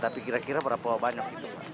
tapi kira kira berapa banyak